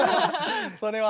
それは。